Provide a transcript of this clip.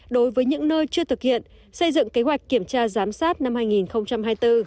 đối với những nơi chưa thực hiện xây dựng kế hoạch kiểm tra giám sát năm hai nghìn hai mươi bốn